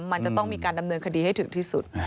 มันจะต้องมีการดำเนินคดีให้ถึงที่สุด